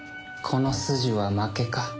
この筋は負けか。